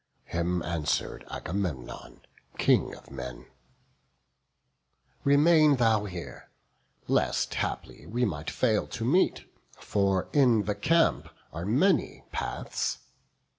Him answer'd Agamemnon, King of men: "Remain thou here, lest haply we might fail To meet; for in the camp are many paths.